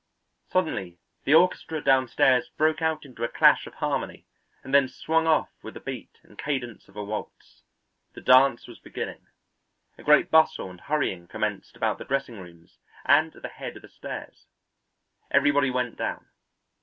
Suddenly the orchestra downstairs broke out into a clash of harmony and then swung off with the beat and cadence of a waltz. The dance was beginning; a great bustle and hurrying commenced about the dressing rooms and at the head of the stairs; everybody went down.